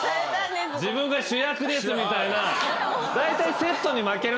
自分が主役ですみたいな。